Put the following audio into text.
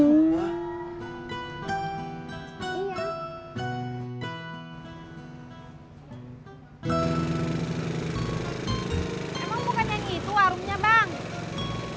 emang bukan yang itu warungnya bang